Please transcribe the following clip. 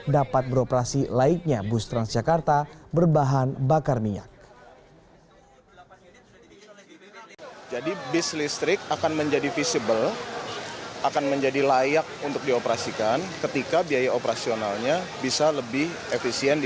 dapat dihubungkan dengan penggunaan bus listrik